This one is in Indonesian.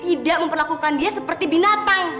tidak memperlakukan dia seperti binatang